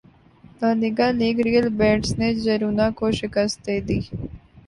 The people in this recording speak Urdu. لالیگا لیگ رئیل بیٹس نے جیرونا کو شکست دیدی